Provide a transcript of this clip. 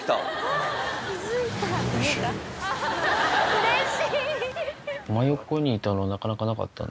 うれしい！